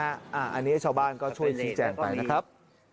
อันนี้ชาวบ้านก็ช่วยชี้แจงไปนะครับ